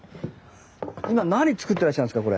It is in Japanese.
今何作ってらっしゃるんですか？